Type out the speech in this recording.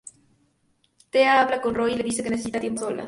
Thea habla con Roy y le dice que necesita tiempo a solas.